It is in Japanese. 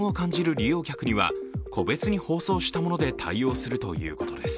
利用客には個別に包装したもので対応するということです。